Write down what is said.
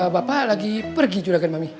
bapak lagi pergi curagan mami